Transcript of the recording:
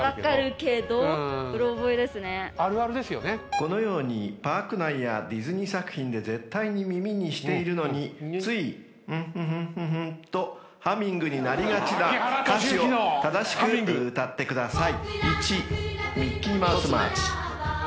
［このようにパーク内やディズニー作品で絶対に耳にしているのについ「フンフフンフ」とハミングになりがちな歌詞を正しく歌ってください］